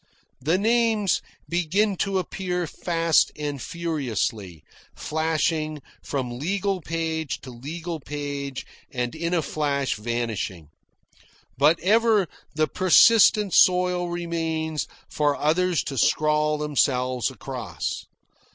The names begin to appear fast and furiously, flashing from legal page to legal page and in a flash vanishing. But ever the persistent soil remains for others to scrawl themselves across.